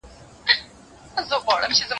زه به کتابونه ليکلي وي؟